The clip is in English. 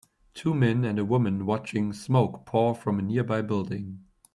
Two men and a woman watching smoke pour from a nearby building.